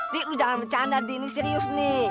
dik lo jangan bercanda dik ini serius nih